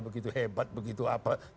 begitu hebat begitu apa